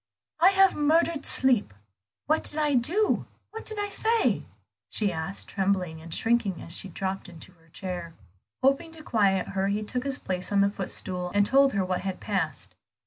"I have murdered sleep. What did I do? what did I say?" she asked, trembling and shrinking as she dropped into her chair. Hoping to quiet her, he took his place on the footstool, and told her what had passed.